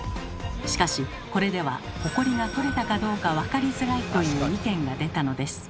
しかしこれではホコリが取れたかどうかわかりづらいという意見が出たのです。